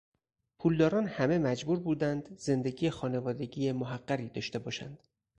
پولداران هم مجبور بودند زندگی خانوادگی محقری داشته باشند.